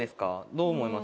どう思います？